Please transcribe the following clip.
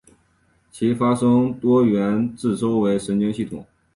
其发生多源自周围神经系统。